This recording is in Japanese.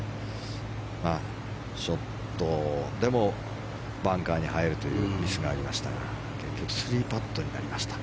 ショットでもバンカーに入るというミスがありましたが結局３パットになりました。